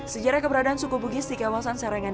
sejarah keberadaan suku bugis di kawasan serangan